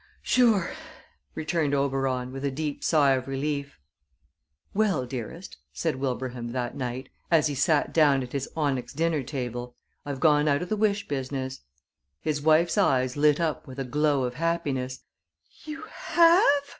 "Sure!" returned Oberon with a deep sigh of relief. "Well, dearest," said Wilbraham that night as he sat down at his onyx dinner table, "I've gone out of the wish business." His wife's eyes lit up with a glow of happiness. "You have?"